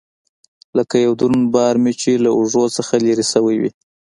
لکه يو دروند بار مې چې له اوږو څخه لرې سوى وي.